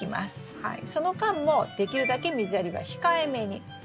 その間もできるだけ水やりは控えめに。